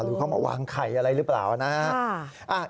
หรือเข้ามาวางไข่อะไรรึเปล่านะครับ